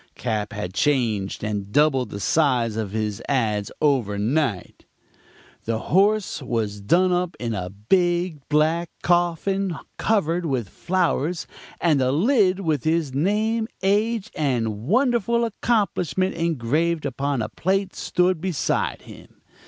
Cap. had changed and doubled the size of his ads. over night. "The horse was done up in a big black coffin covered with flowers; and the lid with his name, age and wonderful accomplishment engraved upon a plate stood beside him.